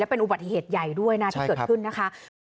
เป็นอุบัติเหตุใหญ่ด้วยนะที่เกิดขึ้นนะคะ